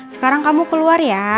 sekarang kamu keluar ya